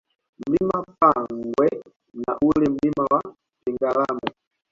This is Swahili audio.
Mlima Pagwe na ule Mlima wa Pingalame